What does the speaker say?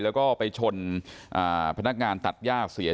แล้วก็ไปชนพนักงานตัดย่าเสีย